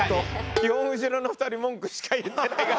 基本後ろの２人文句しか言ってないから。